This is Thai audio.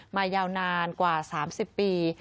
ยาวนานกว่า๓๐ปี